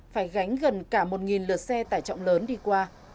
phải gánh gần cả một lượt xe tải trọng lớn đi qua